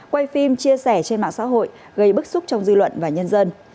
quay phim chia sẻ trên mạng xã hội gây bức xúc trong dư luận và nhân dân